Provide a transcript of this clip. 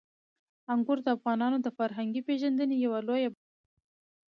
انګور د افغانانو د فرهنګي پیژندنې یوه لویه برخه ده.